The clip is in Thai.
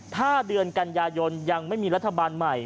ถ้าเดือนกันยายนยังไม่มีรัฐบาลใหม่